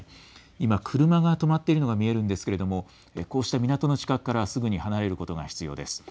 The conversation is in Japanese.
今、車が止まっているのが見えるんですけれどもこうした港の近くからすぐに離れることが必要です。